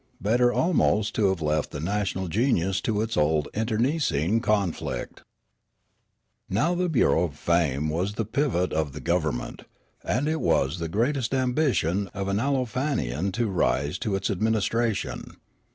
Better almost to have left the national genius to its old internecine conflict. Now the Bureau of Fame was the pivot of the govern ment ; and it was the greatest ambition of an Aleo fanian to rise to its administration.